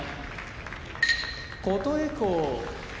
琴恵光